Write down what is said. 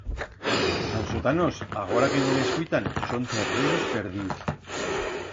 Os ansotanos, agora que no m'escuitan, son cerrenos perdius.